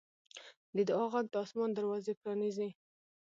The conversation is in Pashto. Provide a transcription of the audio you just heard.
د دعا غږ د اسمان دروازې پرانیزي.